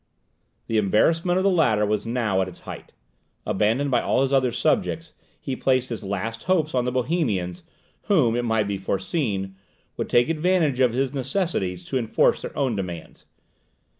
The embarrassment of the latter was now at its height. Abandoned by all his other subjects, he placed his last hopes on the Bohemians, who, it might be foreseen, would take advantage of his necessities to enforce their own demands.